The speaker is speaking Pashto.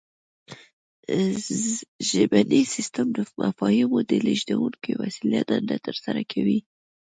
ژبنی سیستم د مفاهیمو د لیږدونکې وسیلې دنده ترسره کوي